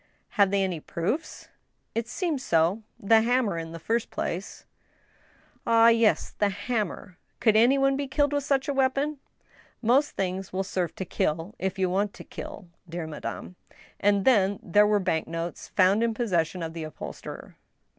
" Have they any proofs ?"" It seems so. The hammer in the first place," " Ah, yes ; the hammer. Could any one be killed with such a weapon ?"" Most things will serve to kill, if you want to kill, dear madame. And then there were bank notes found in possession of the uphol sterer."